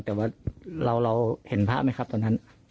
แต่ว่าเราเห็นพระไหมครับตอนนั้น